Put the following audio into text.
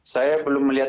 saya belum melihat